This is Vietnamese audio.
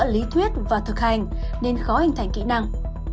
lý thuyết và thực hành nên khó hình thành kỹ năng